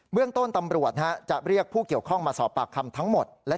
เรื่องต้นตำรวจจะเรียกผู้เกี่ยวข้องมาสอบปากคำทั้งหมด